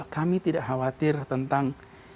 kami tidak khawatir tentang